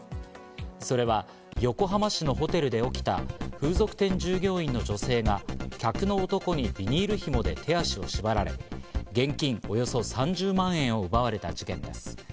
それは横浜市のホテルで起きた風俗店従業員の女性が客の男にビニールひもで手足を縛られ、現金およそ３０万円を奪われた事件です。